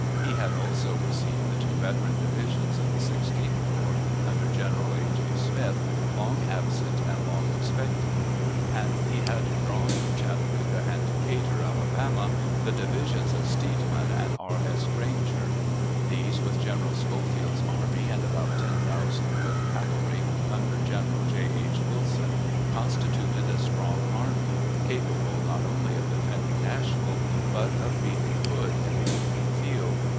He had also received the two veteran divisions of the Sixteenth Corps, under General A. J. Smith, long absent and long expected; and he had drawn from Chattanooga and Decatur (Alabama) the divisions of Steedman and of R. S. Granger. These, with General Schofields army and about ten thousand good cavalry, under General J. H. Wilson, constituted a strong army, capable not only of defending Nashville, but of beating Hood in the open field.